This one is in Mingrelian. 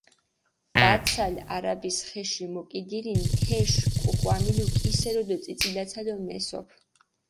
ვაცალ არაბის ხეში მოკიდირინი თეში, ქუხვამილუ კისერო დო წიწილაცალო მესოფჷ.